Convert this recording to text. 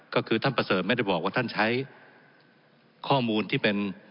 ก็คือท่านประเสริฐไม่ได้บอกว่าท่านใช้ข้อมูลที่เป็น